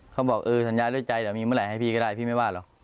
เขาบอกเออสัญญาด้วยใจเหรอมีเมื่อไหร่ให้พี่ก็ได้พี่ไม่ว่าหรอก